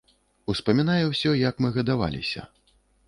Успамінае ўсё, як мы гадаваліся.